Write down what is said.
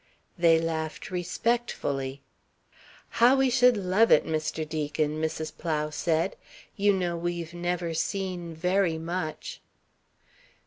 They laughed respectfully. "How we should love it, Mr. Deacon," Mrs. Plow said. "You know we've never seen very much."